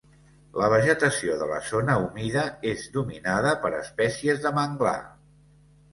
La vegetació de la zona humida és dominada per espècies de manglar.